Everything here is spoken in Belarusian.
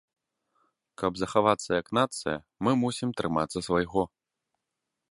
Каб захавацца як нацыя, мы мусім трымацца свайго.